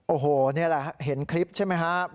โอ้โหนี่แหละเห็นคลิปใช่ไหมครับ